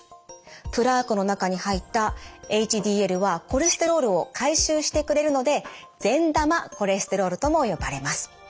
プラークの中に入ったＨＤＬはコレステロールを回収してくれるので善玉コレステロールとも呼ばれます。